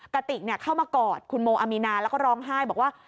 กระติกเข้ามากอดคุณโมอามีนาแล้วก็ร้องไห้บอกว่า